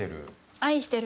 愛してる。